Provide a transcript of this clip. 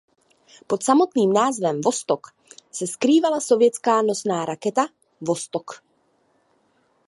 Pod samotným názvem Vostok se skrývala sovětská nosná raketa Vostok.